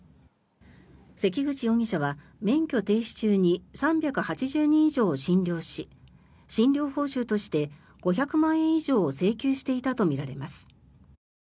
関口容疑者は免許停止中に３８０人以上を診療し診療報酬として５００万円以上を請求していたとみられます。